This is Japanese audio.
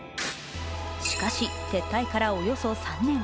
しかし、撤退からおよそ３年。